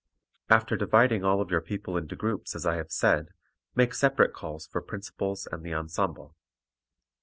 After dividing all of your people into groups as I have said, make separate calls for principals and the ensemble.